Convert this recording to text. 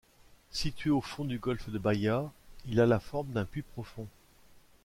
Situé au fond du golfe de Baïa, il a la forme d'un puits profond.